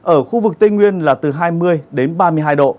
ở khu vực tây nguyên là từ hai mươi đến ba mươi hai độ